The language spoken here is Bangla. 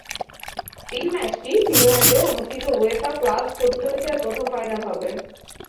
এই ম্যাচটি ফিনল্যান্ডে অনুষ্ঠিত উয়েফা ক্লাব প্রতিযোগিতার প্রথম ফাইনাল হবে।